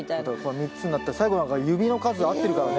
３つになったり最後なんか指の数合ってるからね。